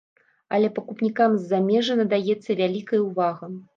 Але пакупнікам з замежжа надаецца вялікая ўвага.